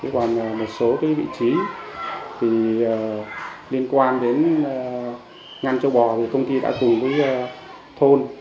còn một số vị trí thì liên quan đến ngăn châu bò thì công ty đã cùng với thôn